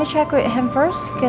biar saya periksa dengan dia dulu